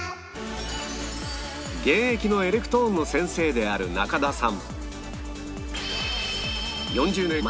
現役のエレクトーンの先生である中田さん